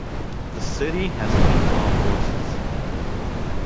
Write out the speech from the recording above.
The city has eight golf courses.